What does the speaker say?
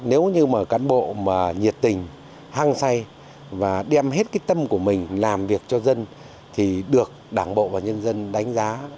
nếu như cán bộ nhiệt tình hăng say và đem hết tâm của mình làm việc cho dân thì được đảng bộ và nhân dân đánh giá